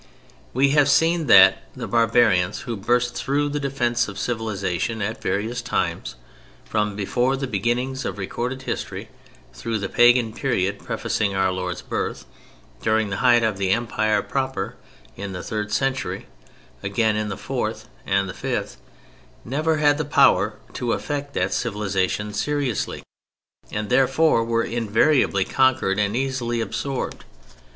We have seen that the barbarians who burst through the defence of civilization at various times (from before the beginnings of recorded history; through the pagan period prefacing Our Lord's birth; during the height of the Empire proper, in the third century; again in the fourth and the fifth) never had the power to affect that civilization seriously, and therefore were invariably conquered and easily absorbed.